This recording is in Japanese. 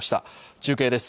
中継です。